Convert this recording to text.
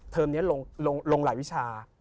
เทอมนี้ลงหลายวิชา